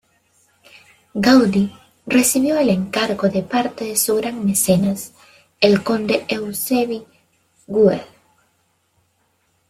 Gaudí recibió el encargo de parte de su gran mecenas, el conde Eusebi Güell.